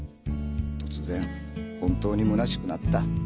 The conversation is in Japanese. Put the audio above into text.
突然本当にむなしくなった。